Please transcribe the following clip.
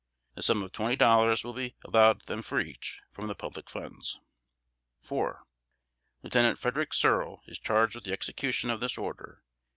The sum of twenty dollars will be allowed them for each, from the public funds. 4. Lieutenant Frederick Searle is charged with the execution of this order.